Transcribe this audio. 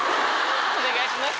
お願いします